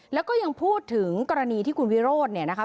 แล้วก็ยังพูดถึงกรณีที่คุณวิโรธเนี่ยนะคะ